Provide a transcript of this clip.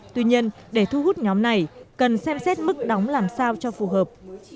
tuy nhiên để thu hút nhóm này cần xem xét mức đóng làm sao cho phù hợp